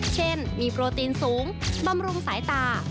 เช่นมีโปรตีนสูงบำรุงสายตา